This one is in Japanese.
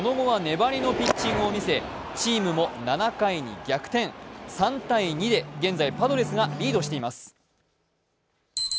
その後は粘りのピッチングを見せ、チームも７回に逆転、３−２で現在パドレスがリードしています。